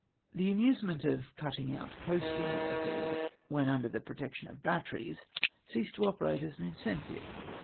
The amusement of cutting out coasting vessels when under the protection of batteries ceased to operate as an incentive.